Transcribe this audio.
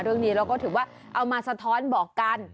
เรื่องนี้เราก็ถือว่าเอามาสะท้อนบอกกัน